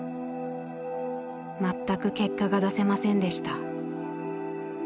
全く結果が出せませんでした。